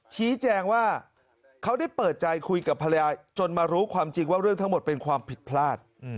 ชี้แจงว่าเขาได้เปิดใจคุยกับภรรยาจนมารู้ความจริงว่าเรื่องทั้งหมดเป็นความผิดพลาด